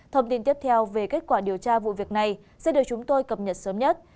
thông tin tiếp theo về kết quả điều tra vụ việc này sẽ được chúng tôi cập nhật sớm nhất